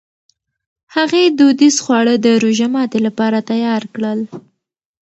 هغې دودیز خواړه د روژهماتي لپاره تیار کړل.